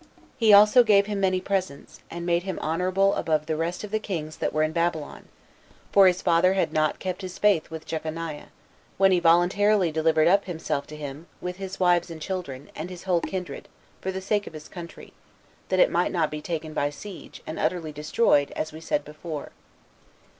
He also gave him many presents, and made him honorable above the rest of the kings that were in Babylon; for his father had not kept his faith with Jeconiah, when he voluntarily delivered up himself to him, with his wives and children, and his whole kindred, for the sake of his country, that it might not be taken by siege, and utterly destroyed, as we said before.